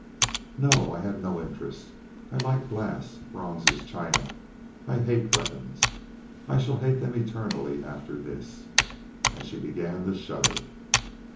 "No. I had no interest. I like glass, bronzes, china I hate weapons. I shall hate them eternally after this." And she began to shudder.